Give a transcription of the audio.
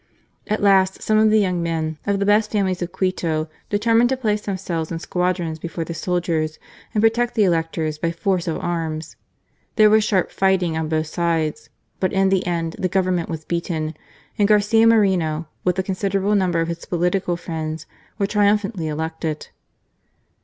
At last some of the young men of the best families in Quito determined to place themselves in squadrons before the soldiers and protect the electors by force of arms. There was sharp fighting on both sides, but in the end the Government was beaten, and Garcia Moreno, with a considerable number of his political friends, were triumphantly elected.